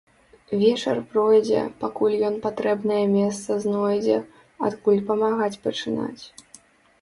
Вечар пройдзе, пакуль ён патрэбнае месца знойдзе, адкуль памагаць пачынаць.